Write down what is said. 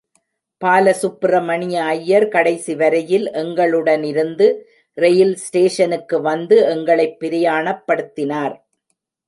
பாலசுப்பிரமணிய ஐயர், கடைசி வரையில் எங்களுடனிருந்து ரெயில் ஸ்டேஷனுக்கு வந்து எங்களைப் பிரயாணப்படுத்தினார்.